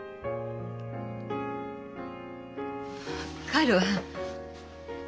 帰るわ。